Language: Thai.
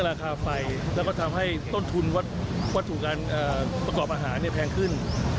ราคาไฟแล้วก็ทำให้ต้นทุนวัตถุการประกอบอาหารแพงขึ้น